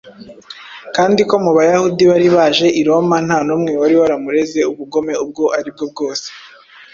kandi ko mu Bayahudi bari baje i Roma nta n’umwe wari waramureze ubugome ubwo ari bwo bwose.